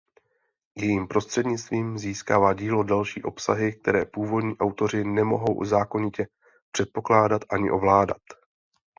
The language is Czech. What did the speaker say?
Jejím prostřednictvím získává dílo další obsahy které původní autoři nemohou zákonitě předpokládat ani ovládat.